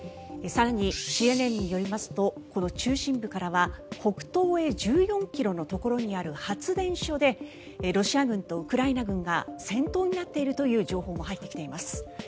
更に、ＣＮＮによりますとこの中心部から北東へ１４ｋｍのところにある発電所でロシア軍とウクライナ軍が戦闘になっているという情報も入ってきています。